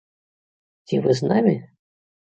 Ці вы з намі?